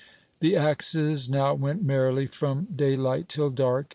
The axes now went merrily from daylight till dark.